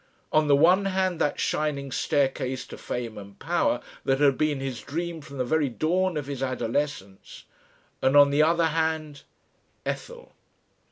On the one hand that shining staircase to fame and power, that had been his dream from the very dawn of his adolescence, and on the other hand Ethel.